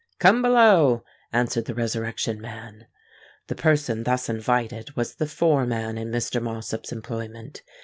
"Come below," answered the Resurrection Man. The person thus invited was the foreman in Mr. Mossop's employment.